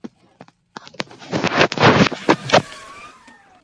Seymour served in the Grenadier Guards, achieving the rank of captain.